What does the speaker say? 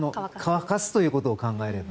乾かすということを考えれば。